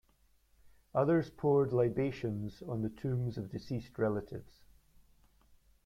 Others poured libations on the tombs of deceased relatives.